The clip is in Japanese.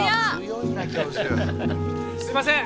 すみません！